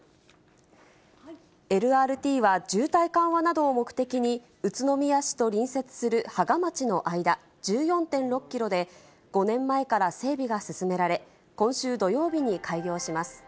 ＬＲＴは、渋滞緩和などを目的に、宇都宮市と隣接する芳賀町の間、１４．６キロで、５年前から整備が進められ、今週土曜日に開業します。